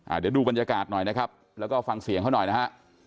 เดี๋ยวดูบรรยากาศหน่อยนะครับแล้วก็ฟังเสียงเขาหน่อยนะฮะ